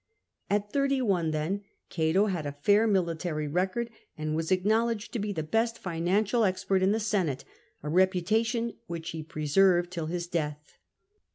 At thirty one, then, Cato had a fair military record, and was acknowledged to be the best financial expert in the Senate, a reputation which he preserved till his death.